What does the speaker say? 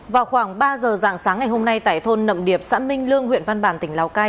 vào khoảng ba giờ dạng sáng ngày hôm nay tại thôn nậm điệp xã minh lương huyện văn bàn tỉnh lào cai